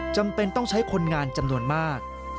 จำเป็นต้องใช้คนงานจำนวนมาก